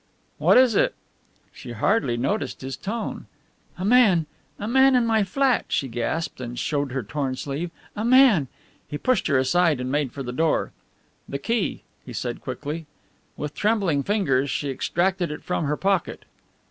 "What is it?" She hardly noticed his tone. "A man a man, in my flat," she gasped, and showed her torn sleeve, "a man...!" He pushed her aside and made for the door. "The key?" he said quickly. With trembling fingers she extracted it from her pocket.